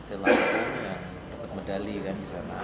arti lagu yang dapat medali kan di sana